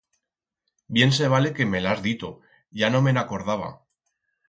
Bien se vale que me l'has dito, ya no me'n acordaba.